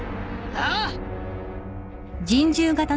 ああ。